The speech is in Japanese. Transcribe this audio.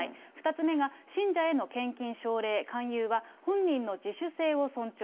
２つ目が信者への献金奨励、勧誘は本人の自主性を尊重。